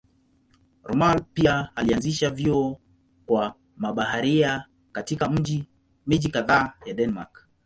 Rømer pia alianzisha vyuo kwa mabaharia katika miji kadhaa ya Denmark.